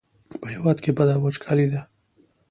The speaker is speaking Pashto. په هېواد کې بده وچکالي ده.